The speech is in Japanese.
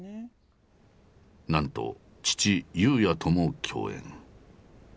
なんと父裕也とも共演。